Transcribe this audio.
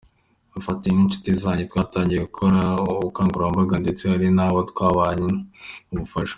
Mfatanyije n’inshuti zanjye twatangiye gukora ubukangurambaga ndetse hari n’abo twahaye ubufasha”.